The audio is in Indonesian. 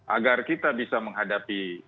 agar kita bisa menghadapi